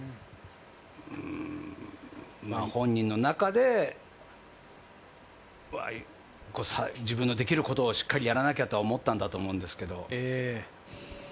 うん、本人の中で自分のできることをしっかりやらなきゃと思ったんだと思うんですけど。